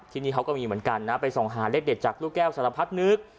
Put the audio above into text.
ที่นี่เขาก็มีเหมือนกันนะไปส่องหาเลขเด็ดจากลูกแก้วสารพัดนึก